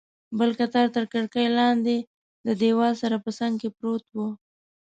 بل قطار تر کړکۍ لاندې، د دیوال سره په څنګ کې پروت و.